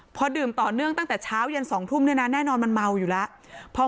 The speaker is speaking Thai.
พอดื่มต่อเนื่องตั้งแต่เช้ายัน๒ทุ่มเนี่ยนะแน่นอนมันเมาอยู่แล้ว